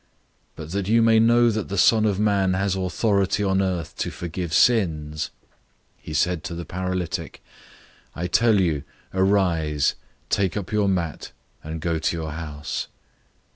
002:010 But that you may know that the Son of Man has authority on earth to forgive sins" he said to the paralytic 002:011 "I tell you, arise, take up your mat, and go to your house."